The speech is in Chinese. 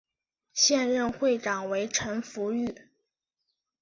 现任会长为陈福裕。